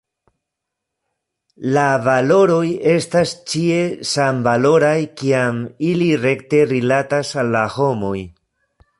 La valoroj estas ĉie samvaloraj kiam ili rekte rilatas al la homoj.